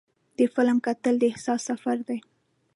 د فلم کتل د احساس سفر دی.